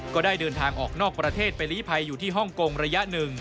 ก็ได้เดินทางออกนอกประเทศไปลีภัยอยู่ที่ฮ่องกงระยะหนึ่ง